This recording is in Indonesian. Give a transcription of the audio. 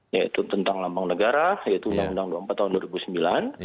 yaitu tentang lambang negara yaitu undang undang dua puluh empat tahun dua ribu sembilan